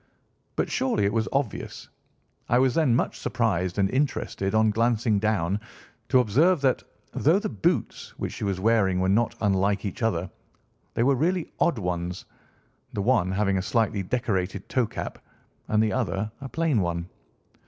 "But, surely, it was obvious. I was then much surprised and interested on glancing down to observe that, though the boots which she was wearing were not unlike each other, they were really odd ones; the one having a slightly decorated toe cap, and the other a plain one.